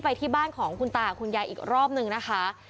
ไปที่บ้านของคุณตากับคุณยายอีกรอบนึงนะคะ